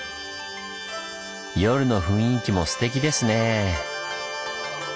夜の雰囲気もすてきですねぇ。